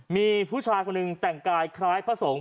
มีผู้ชายคนหนึ่งแต่งกายคล้ายพระสงฆ์